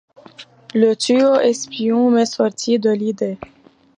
Le tuyau espion m’est sorti de l’idée.